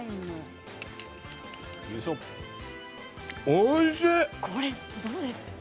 おいしい！